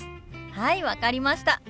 はい分かりました！